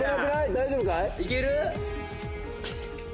大丈夫かい？